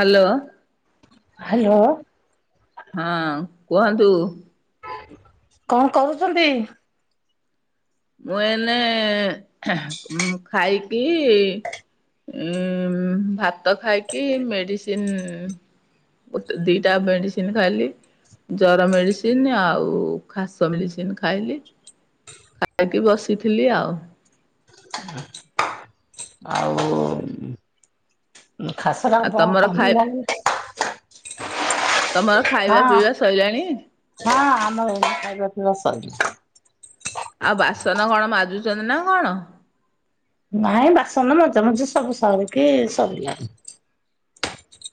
Hello. Hello. ହଁ କୁହନ୍ତୁ? କଣ କରୁଛନ୍ତି? ମୁଁ ଏନେ ଖାଇପିଇ ଉଁ ଭାତ ଖାଇକି ମେଡିସିନ ଗୋଟେ ଦିଟା ମେଡିସିନ ଖାଇଲି। ଜର ମେଡ଼ିସିନ ଆଉ ଖାସ ମେଡ଼ିସିନ ଖାଇଲି। ଏଠି ବସିଥିଲି ଆଉ। ଆଉ। ଖାସଟା ଆଉ ବ ତମର ଖାଇ କମିଲାଣି। ତମର ଖାଇବା ପିଇବା ସଇଲାଣି? ହଁ ଆମର ଏବେ ଖାଇବା ପିଇବା ସଇଲା। ଆଉ ବାସନ କଣ ମାଜୁଛନ୍ତି ନା କଣ? ନାଇଁ ବାସନ ମଜା ମଜି ସବୁ ସରିକି ସରିଲାଣି।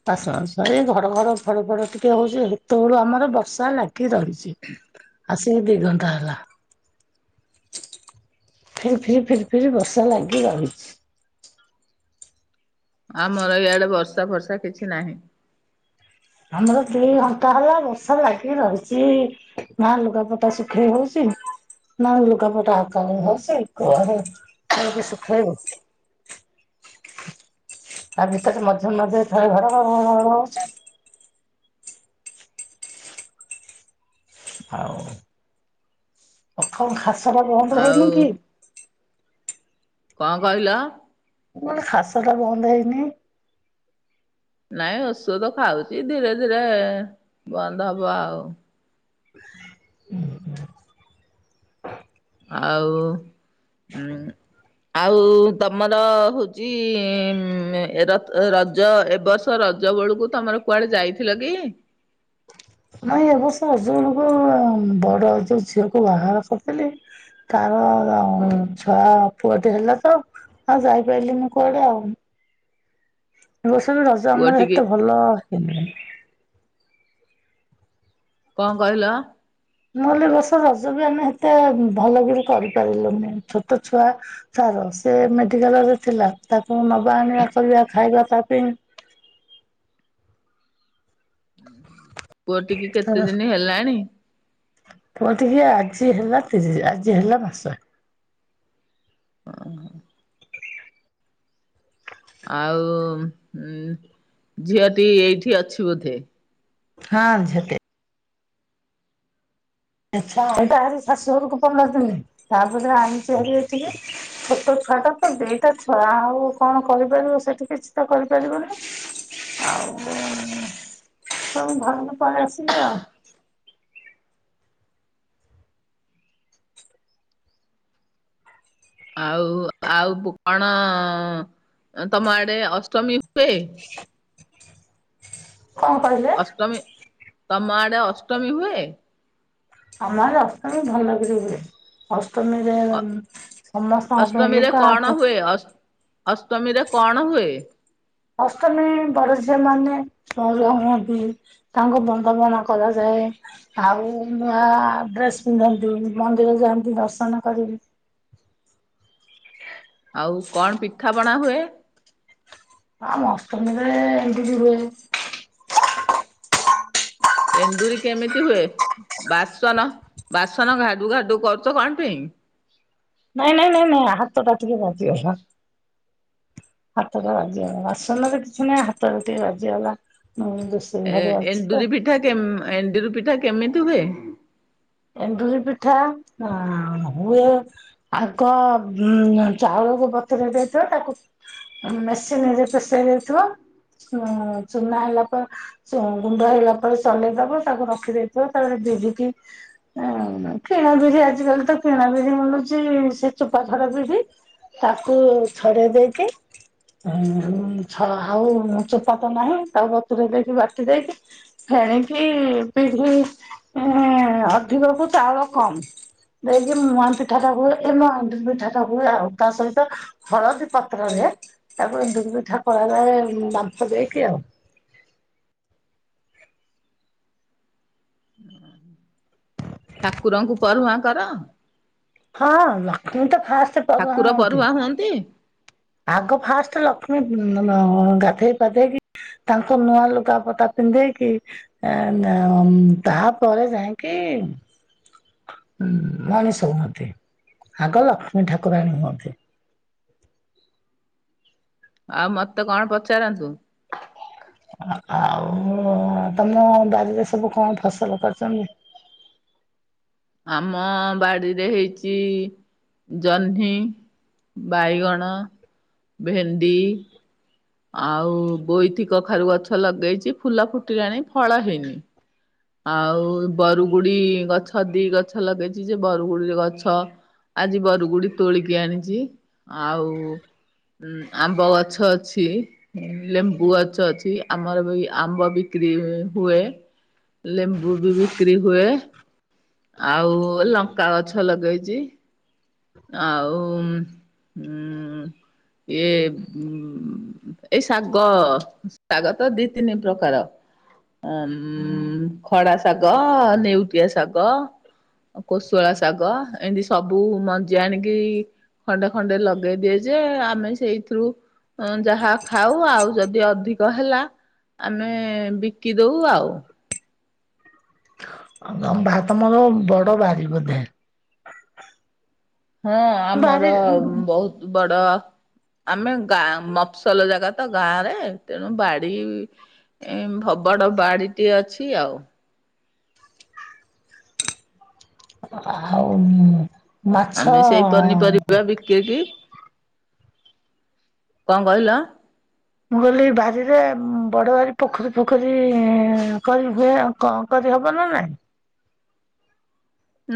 ବାସନ ସରି ଏଇ ଘଡ ଘଡ ଫଡ ଫଡ ଟିକେ ହଉଛି ବୋଲି ସେତେବେଳୁ ଆମର ବର୍ଷା ଲାଗ ଗିକି ରହିଛି ଆସିକି ଦି ଘଣ୍ଟା ହେଲା। ଫିରି ଫିରି ଫିରି ଫିରି ବର୍ଷା ଲାଗି ରହିଛି। ଆମର ଇଆଡେ ବର୍ଷା ଫର୍ଷା କିଛି ନାହିଁ। ଆମର ଦି ଘଣ୍ଟା ହେଲା ବର୍ଷା ଲାଗି ରହିଛି। ନା ଲୁଗା ପଟା ଶୁଖେଇ ହଉଛି ନା ଲୁଗାପଟା ହକାଳି ହଉଚି କୁଆଡେ ନେଇକି ସୁକେଇବ। ଆ ଭିତରେ ମଝିରେ ମଝିରେ ଥରେ ଘର ଘର ଘର ଘର ଘର ହଉଛି। ଆଉ ପଥମ ଖାସଟା ବନ୍ଦ ହେଇନି ଆଉ କି? କଣ କହିଲ? କହିଲି ଖାସ ଟା ବନ୍ଦ ହେଇନି? ନାଇଁ ଔଷଧ ଖାଉଛି ଧୀରେ ଧୀରେ ବନ୍ଦ ହବ ଆଉ। ଆଉ ଉଁ। ଆଉ ତମର ହଉଚି ଉଁ ରଜ ଏବର୍ ରଜ ବେଳକୁ ତମର କୁଆଡ଼େ ଯାଇଥିଲ କି? ନାଇଁ ଏ ବର୍ଷ ରଜ ବେଳକୁ ବଡ଼ ଯୋଉ ଝିଅକୁ ବାହାଘର କରିଥିଲି ତାର ଛୁଆ ପୁଅଟେ ହେଲା ତ ନାଁ ଯାଇ ପାରିଲିନି କୁଆଡ଼େ ଆଉ। ଏଇସନ ରଜ ପୁଅ ଆମର ଟିକି ହେତେ ଭଲ ହେଇନି। କଣ କହିଲ? ମୁଁ କହିଲି ଏ ବର୍ଷ ରଜ ବି ଆମେ ହେତେ ଭଲକିରି କରିପାରିଲୁନି ଛୋଟ ଛୁଆ। ଛାଡ଼ ସେ ମେଡିକାଲ ରେ ଥିଲା ତାକୁ ନବା ଆଣିବା କରିବା ଖାଇବା ତା ପେଇଁ ଉୁଁ ପୁଅଟିକି କେତେ ତାର ଦିନି ହେଲାଣି? ପୁଅ ଟିକି ଆଜି ହେଲା ତିରିଶ ଆଜି ହେଲା ମାସ। ଉଁ ହୁଁ। ଆଉ ଉ ଝିଅଟି ଏଇଠି ଅଛି ବୋଧେ। ହଁ ସେଠି। ଆଚ୍ଛା ଏଇଟା ଆରି ଶାଶୁ ଘରକୁ ପଲନି ତାପରେ ଆଣିଛି ଏଠିକି। ଛୋଟ ଛୁଆ ଟା ତ ଦିଟା ଛୁଆ ଆଉ କଣ କରିପାରିବ ସେଠି କିଛି ତ କରିପାରିବନି। ଆଉ ସବୁ ଘର ପରେ ଆସିଲେ ଆଉ। ଆଉ ଆଉ କଣ ତମ ଆଡ଼େ ଅଷ୍ଟମୀ ହୁଏ। କଣ କହିଲେ? ଅଷ୍ଟମୀ ତମ ଆଡ଼େ ଅଷ୍ଟମୀ ହୁଏ। ଆମ ଆଡ଼େ ଅଷ୍ଟମୀ ଭଲ କରି ହୁଏ। ଅଷ୍ଟମୀରେ ସମସ୍ତ ଲୋକ ଅଷ୍ଟ ଅଷ୍ଟମୀରେ କଣ ହୁଏ? ଅଷ୍ଟମୀ ବଡ଼ ଝିଅ ମାନେ ସଜ ହୁଅନ୍ତି। ତାଙ୍କ ବନ୍ଦାବଣା କରାଯାଏ। ଆଉ ନୂଆ ଡ୍ରେସ୍ ପିନ୍ଧନ୍ତି ମନ୍ଦିର ଯାଆନ୍ତି ଦର୍ଶନ କରି। ଆଉ କଣ ପିଠାପଣା ହୁଏ? ଅଷ୍ଟମୀରେ ଏମିତି ହୁଏ। ଏଣ୍ଡୁରି କେମିତି ହୁଏ? ବାସନ ବାସନ ଘାଡୁ ଘାଡୁ କରୁଛ କଣ ପାଇଁ? ନାଇଁ ନାଇଁ ନାଇଁ ନାଇଁ ହାତଟା ଟିକେ ବାଜିଗଲା। ହାତଟା ବାଜିଗଲା, ବାସନରେ ପୁଣି କିଛି ନୁହଁ ହାତଟା ଟିକେ ବାଜିଗଲା। ରୋଷେଇ ଏ ଘରେ ଅଛି ତ ଏଣ୍ଡୁରି ପିଠା ଏଣ୍ଡୁରି ପିଠା କେମିତି ହୁଏ? ଏଣ୍ଡୁରି ପିଠା ହୁଏ। ଆଗ ଉ ଚାଉଳକୁ ବତୁରାଇ ଦେଇଥିବ ତାକୁ ମେସିିନରେ ତ ପିସେଇ ଦେଇଥିବ ଚୁନା ହେଲା ପରେ ଗୁଣ୍ଡ ହେଲା ପରେ ସଲେଇଦେବ, ତାକୁ ରଖିଦେଇଥିବ ତାପରେ ବିରିିକି ହଁ କିଣା ବିିରି ଆଜିକାଲି ତ କିଣା ବିିରି ମିଳୁଛି ସେ ଚୋପା ଛଡ଼ା ବିରି। ତାକୁ ଛଡ଼େଇ ଦେଇକି। ଛ ଆଉ ଚୋପା ତ ନାହିଁ ତାକୁ ବତୁରାଇ ଦେଇକି ବାଟି ଦେଇକି ଫେଣିକି ବିରିକି ଅଧିକ କୁ ଚାଉଳ କମ୍। ଦେଇକି ମୁହା ପିଠା ଟା ହୁଏ ଏ ମ ପିଠା ଟା ହୁଏ ଆଉ ତା ସହିତ ହଳଦୀ ପତ୍ରରେ ତାକୁ ଏମିତି ଏମିତି ଥାପୁଡ଼ାଇ ଦେଇକି ଆଉ। ଠାକୁରଙ୍କୁ ପରରୁୁଆଁ କର? ହଁ ମୁଁ ତ ଫାଷ୍ଟ ପର ଠାକୁର ହୁଅନ୍ତି। ପରରୁଆ ହୁଅନ୍ତି? ଆଗ ଫାଷ୍ଟ ଲକ୍ଷ୍ମୀ ଗାଧେଇ ପାଧେଇକି ତାଙ୍କ ନୂଆ ଲୁଗାପଟା ପିନ୍ଧେଇକି ତାପରେ ଯାଇକି ହୁଁ ମଣିଷ ହୁଅନ୍ତି, ଆଗ ଲକ୍ଷ୍ମୀ ଠାକୁରାଣୀ ହୁଅନ୍ତି। ଆଉ ମତେ କଣ ପଚାରନ୍ତୁ। ଆଉ ତମ ବାାରରେ ସବୁ କଣ ଫସଲ କରିଛନ୍ତି? ଆମ ବାଡିରେ ହେଇଛି ଜହ୍ନି ବାଇଗଣ, ଭେଣ୍ଡି ଆଉ ବୋଇତି କଖାରୁ ଗଛ ଲଗେଇଛି ଫୁଲ ଫୁଟିଲାଣି ଫଳ ହେଇନି। ଆଉ ବରୁଗୁଡି ଗଛ ଦି ଗଛ ଲଗେଇଛି ଯେ ବରୁଗୁଡିରେ ଗଛ ଆଜି ବରୁଗୁଡି ତୋଳିକି ଆଣିଛି ଆଉ ଉୁଁ ଆମ୍ବ ଗଛ ଅଛି। ଲେମ୍ବୁ ଗଛ ଅଛି। ଆମର ବି ଆମ୍ବ ବିକ୍ରି ହୁଏ। ଲେମ୍ବୁ ବି ବିକ୍ରି ହୁଏ। ଆଉ ଲଙ୍କା ଗଛ ଲଗେଇଛି। ଆଉ ହ ଏଇ ଏଇ ଶାଗ ଶାଗ ତ ଦି ତିନି ପ୍ରକାର। ଅ ମ ଖଡା ଶାଗ ନେଉଟିଆ ଶାଗ। କୋଶଳା ଶାଗ ଏମିତି ସବୁ ମଞ୍ଜି ଆଣିକି ଖଣ୍ଡେ ଖଣ୍ଡେ ଲଗେଇଦିଏ ଯେ ଆମେ ସେଇଥିରୁ ଯାହା ଖାଉ ଆଉ ଯଦି ଅଧିକ ହେଲା ଆମେ ବିକି ଦଉ ଆଉ। ମ ଭା ତମର ବଡ ବାରି ବୋଧେ? ହଁ ଆମର ବାରି ବହୁତ୍ ବଡ ଆମେ ଗାଁ ମଫସଲ ଜାଗା ତ ଗାଁ ରେ ତେଣୁ ବାଡି ଏମ ଭ‌ ବଡ ବାଡିଟି ଅଛି ଆଉ। ଆଉ ଉଁ। ଆମେ ସେଇ ପନିପରିବା ବିକିକି କଣ କହିଲ? ମୁଁ କହଲିି ବାରିରେ ବଡ ବାରି ପୋଖରୀ ଫୋଖରୀ କରି ହୁଏ ଆଉ। କଣ କରି ହବ ନା ନାଇଁ?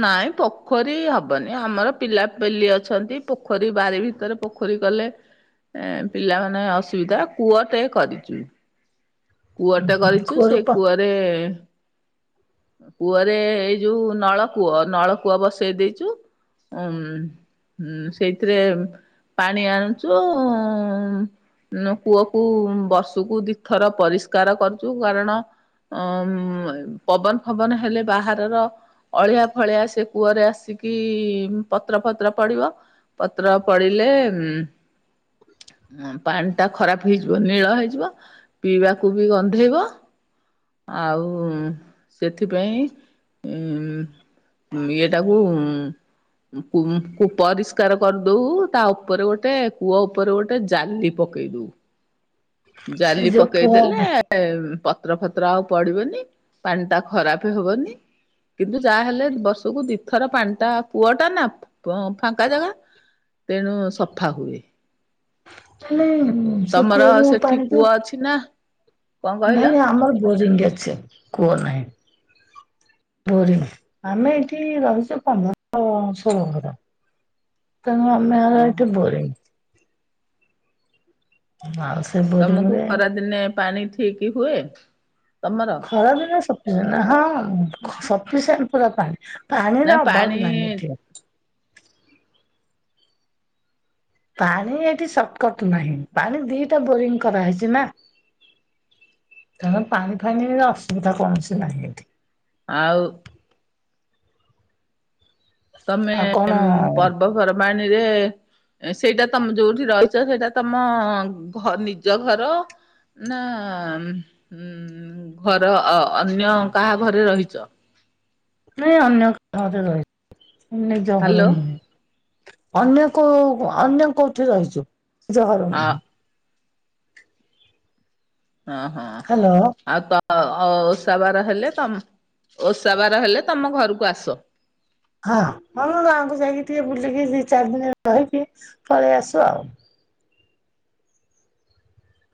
ନାଇଁ ପୋଖରୀ ହବନି ଆମର ପିଲାପିଲି ଅଛନ୍ତି ପୋଖରୀ ବାରି ଭିତରେ ପୋ ପୋଖରୀ କଲେ ଏ ପିଲାମାନେ ଅସୁବିଧା କୁଅ ଟେ କରିଚୁ। କୂଅ ଟେ କରିଚୁ କୂଅରୁ ସେଇ ପା କୂଅରେ କୂଅରେ ଏଇ ଯୋଉ ନଳକୂଅ ନଳକୂଅ ବସେଇ ଦେଇଚୁ। ଅ ମ ହୁଁ ସେଇଥିରେ ପାଣି ଆଣୁଚୁ ଉଁ ଉଁ କୁଅ କୁ ବର୍ଷକୁ ଦିଥର ପରିଷ୍କାର କରୁଚୁ କାରଣ ଅ ମ ପବନ ଫବନ ହେଲେ ବାହା ରର ଅଳିଆ ଫଳିଆ ସେ କୂଅରେ ଆସିକି ପତ୍ର ଫତ୍ର ପଡିବ ପତ୍ର ପଡ଼ିଲେ ଉଁ। ପାଣି ଟା ଖରାପ୍ ହେଇଯିବ ନୀଳ ହେଇଯିବ ପିଇବାକୁ ବି ଗନ୍ଧେଇବ। ଆଉ ସେଥିପାଇଁ ଇ ଉଁ ଏଇଟାକୁ ଉଁ। କୁ କୁ ପରିଷ୍କାର କରିଦଉ ତା ଉପରେ ଗୋଟେ କୂଅ ଉପରେ ଗୋଟେ ଜାଲି ପ କେଇ ଦଉ। ହଁ ଜାଲି ପକେଇ ଦେଲେ ଏମ ପତ୍ର ଫତ୍ର ଆଉ ପଡିବନି ପାଣି ଟା ଖରାପ୍ ହବନି। କିନ୍ତୁ ଯାହାହେଲେ ବର୍ଷକୁ ଦିଥର ପାଣିଟା ପୁଅ ଟା ନାଁ ଅ ଫାଙ୍କା ଜାଗା। ତେଣୁ ସଫା ହୁଏ। ହେଲେ ସେ ତମର କୂଅରୁ ସେଠି ପାଣି କୂଅ ପିଅନ୍ତି? ଅଛି ନା କଣ କହିଲ ନାଇଁ ଆମର ବୋରିଙ୍ଗି ଅଛି କୁଅ ନାହିଁ। ବୋରି ଆମେ ଏଠି ରହିଛୁ ପନ୍ଦର ଷୋଳ ଘର। ତେଣୁ ଆମେ ଓହୋ ଏଠି ବୋରେଇ। ମାଉସୀ। ତମୁକୁ ଖରା ଦିନେ ପାଣି ଠିକ୍ ହୁଏ? ତମର ଖରା ଦିନେ ସପିସେଣ୍ଟ ହଁ ସପିସିଣ୍ଟ ପୁରା ପାଣି। ପାଣିର ନାଇଁ ଅଭାବ ପାଣି ନାହିଁ ଏଠି। ପାଣି ଏଠି ସଟକଟ ନାହିଁ ପାଣି ଦିଟା ବୋରିଙ୍ଗି କରାହେଇଛି ନାଁ? କାରଣ ପାଣି ଫାଣିରେ ଅସୁବିଧା କୌଣସି ନାହିଁ ଏଠି। ଆଉ? ତମେ ଆଉ କଣ ମ ପର୍ବ ପର୍ବାଣୀରେ ସେଇଟା ତମ ଯୋଉଠି ରହିଛ ସେଇଟା ତମ ଘ ନିଜ ଘର? ନାଁ ଉଁ ଘର ଅ ଅନ୍ୟ କାହା ଘରେ ରହିଚ? ନାଇଁ ଅନ୍ୟ କହା ଘରେ ର ନିଜ ଘର ହ୍ୟାଲୋ ନୁହେଁ। ଅନ୍ୟ କ ଅନ୍ୟ କୋଉଠି ରହିଛୁ [inaudible] ହଁ ଓଁ ହଁ ହ୍ୟାଲୋ ଆଉ ତ ଓଷା ବାର ହେଲେ ତମ ଓଷା ବାର ହେଲେ ତମ ଘରକୁ ଆସ। ହଁ ହଁ ମୁଁ ଗାଁକୁ ଯାଇକି ଟିକେ ବୁଲିକି ଦି ଚାରି ଦିନରେ ରହିକି ପଳେଇ ଆସୁ ଆଉ।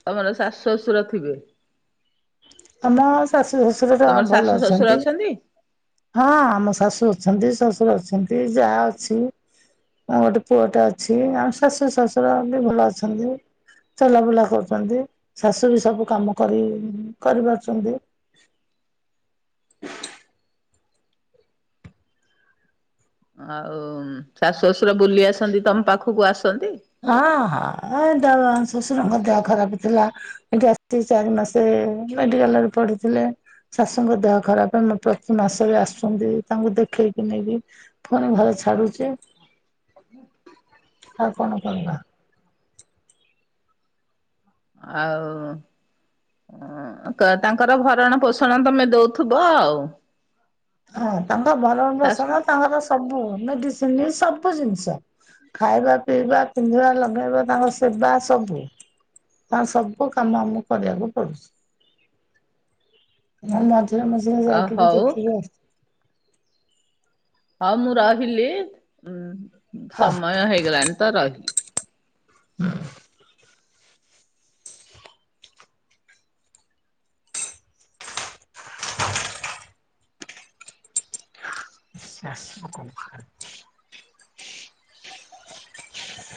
ତମର ଶାଶୁ ଶ୍ୱଶୁର ଥିବେ। ତମ ଶାଶୁ ଶ୍ୱଶୁର ତ ତମର ଶାଶୁ ଭଲ ଶ୍ୱଶୁର ଅଛନ୍ତି। ହଁ ଆମ ଶାଶୁ ଅଛନ୍ତି ଶଶୁର ଅଛନ୍ତି ଯାଆ ଅଛି। ଆଉ ଗୋଟେ ପୁଅଟା ଅଛି ଆ ଶାଶୁର ଶଶୁର ବି ଭଲ ଅଛନ୍ତି। ଚଲାବୁଲା କରୁଛନ୍ତି ଶାଶୁ ବି ସବୁ କାମ କରି କରିପାରୁଛନ୍ତି। ଆଉ ଶାଶୁ ଶଶୁର ବୁଲି ଆସନ୍ତି ତମ ପାଖକୁ ଆସନ୍ତି। ହଁ ହଁ ଶ୍ୱଶୁରଙ୍କ ଦେହ ଖରାପ ଥିଲା। ଏଠି ଆସି ଚାରି ମାସେ ମେଡିକାଲରେ ପଡିଥିଲେ। ଶାଶୁଙ୍କ ଦେହ ଖରାପ ପାଇଁ ପ୍ରତି ମାସରେ ଆସୁଛନ୍ତି ତାଙ୍କୁ ଦେଖେଇକି ନେଇକି। ଫୁଣି ଭଲ ଛାଡୁଛି। ଆଉ କଣ କରିବା? ଆଉ। ତାଙ୍କର ଭରଣ ପୋଷଣ ତମେ ଦଉଥିବ ଆଉ। ହଁ ତାଙ୍କ ଭରଣ ଶାଶୁ ପୋଷଣ ତାଙ୍କର ସବୁ ମେଡିସିନ ସବୁ ଜିନିଷ। ଖାଇବା ପିଇବା ପିନ୍ଧିବା ଲଗେଇବା ତାଙ୍କ ସେବା ସବୁ। ହଁ ସବୁ କାମ ଆମକୁ କରିବାକୁ ପଡୁଛି। ମୁଁ ମଝିରେ ମଝିରେ ଯାଇକି ବି ହଉ ଦେଖିଲୁ ଆଉ। ହଁ ମୁଁ ରହିଲି ଉ ହଁ ସମୟ ହେଇଗଲାଣି ତ ରହିଲି। [inaudible] [unintelligible] [inaudible]